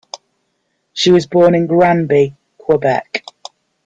She was born in Granby, Quebec.